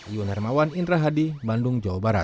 iwan hermawan indra hadi bandung jawa barat